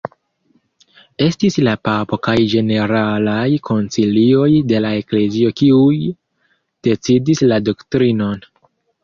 Estis la papo kaj ĝeneralaj koncilioj de la eklezio kiuj decidis la doktrinon.